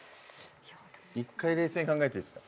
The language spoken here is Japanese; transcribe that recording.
１回冷静に考えていいですか？